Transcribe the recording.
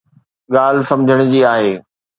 ڳالهه سمجھڻ جي آهي.